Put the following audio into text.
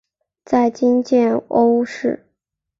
在今建瓯市。